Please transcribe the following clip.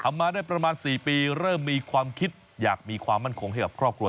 มาได้ประมาณ๔ปีเริ่มมีความคิดอยากมีความมั่นคงให้กับครอบครัว